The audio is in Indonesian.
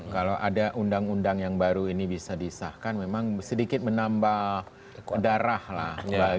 kalau ada undang undang yang baru ini bisa disahkan memang sedikit menambah darah lah